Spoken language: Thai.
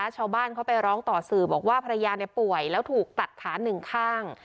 ชาวบ้านเขาไปร้องต่อสื่อบอกว่าภรรยาป่วยแล้วถูกตัดขาหนึ่งข้าง